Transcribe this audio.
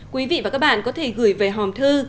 quý vị và các bạn có thể gửi về hòm thư